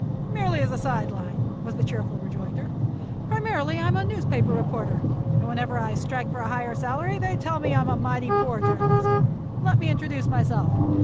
"Merely as a side line," was the cheerful rejoinder. "Primarily I'm a newspaper reporter, and whenever I strike for a higher salary they tell me I'm a mighty poor journalist. Let me introduce myself.